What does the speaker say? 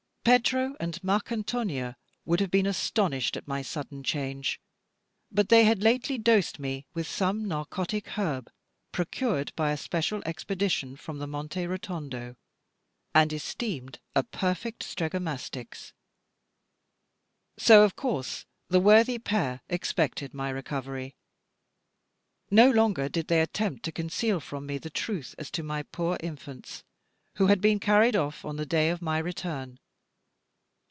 Petro and Marcantonia would have been astonished at my sudden change, but they had lately dosed me with some narcotic herb, procured, by a special expedition, from the Monte Rotondo, and esteemed a perfect Stregomastix; so of course the worthy pair expected my recovery. No longer did they attempt to conceal from me the truth as to my poor infants, who had been carried off on the day of my return.